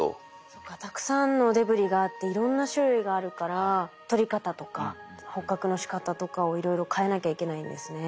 そっかたくさんのデブリがあっていろんな種類があるからとり方とか捕獲のしかたとかをいろいろ変えなきゃいけないんですね。